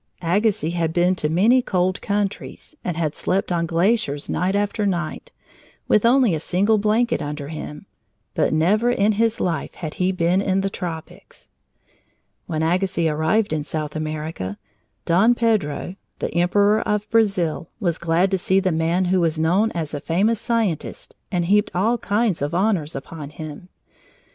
Agassiz had been to many cold countries and had slept on glaciers night after night, with only a single blanket under him, but never in his life had he been in the tropics. When Agassiz arrived in South America, Don Pedro, the Emperor of Brazil, was glad to see the man who was known as a famous scientist and heaped all kinds of honors upon him.